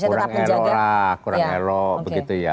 kurang elo lah kurang elok begitu ya